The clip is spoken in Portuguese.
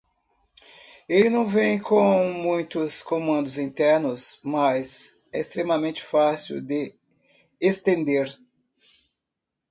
Ele não vem com muitos comandos internos?, mas é extremamente fácil de extender.